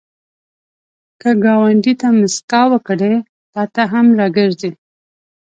که ګاونډي ته مسکا ورکړې، تا ته هم راګرځي